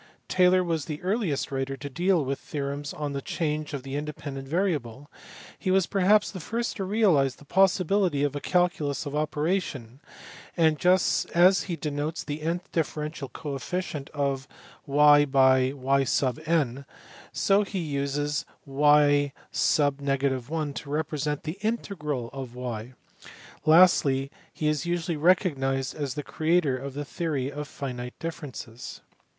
Taylor was the earliest writer to deal with theorems on the change of the inde pendent variable ; he was perhaps the first to realize the possibility of a calculus of operation, and just as he denotes the nth differential coefficient of y by y n , so he uses y_ l to represent the integral of y\ lastly he is usually recognized as the creator of the theory of finite differences.